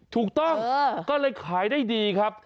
ถูกต้องก็เลยขายได้ดีครับ